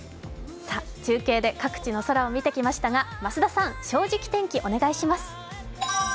中継で各地の空を見てきましたが増田さん、「正直天気」お願いします